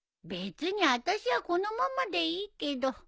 別にあたしはこのままでいいけど。